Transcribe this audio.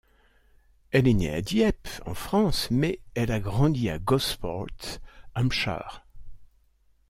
Elle est née à Dieppe, en France, mais elle a grandi à Gosport, Hampshire.